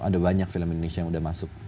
ada banyak film indonesia yang udah masuk